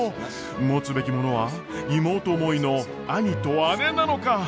持つべきものは妹思いの兄と姉なのか？